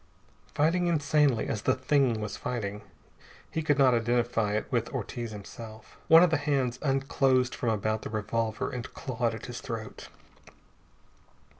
Fighting insanely as the Thing was fighting, he could not identify it with Ortiz himself. One of the hands unclosed from about the revolver and clawed at his throat.